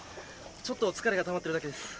ちょっと疲れがたまってるだけです。